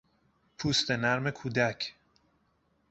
پوست نرم کودک